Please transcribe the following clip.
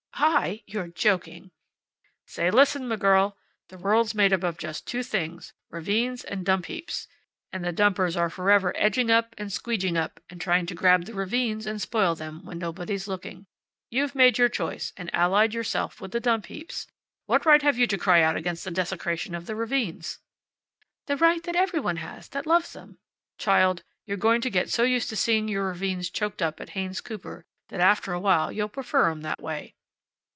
"I! You're joking." "Say, listen, m' girl. The world's made up of just two things: ravines and dump heaps. And the dumpers are forever edging up, and squeedging up, and trying to grab the ravines and spoil 'em, when nobody's looking. You've made your choice, and allied yourself with the dump heaps. What right have you to cry out against the desecration of the ravines?" "The right that every one has that loves them." "Child, you're going to get so used to seeing your ravines choked up at Haynes Cooper that after a while you'll prefer 'em that way."